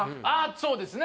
そうですね